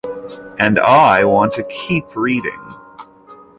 And I want to keep reading!